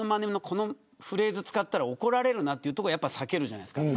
このフレーズを使ったら怒られるというのは避けるじゃないですか。